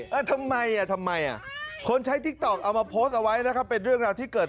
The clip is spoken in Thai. เอ้าทำไมอ่ะทำไมอ่ะคนใช้เอามาเอาไว้นะคะเป็นเรื่องราวที่เกิด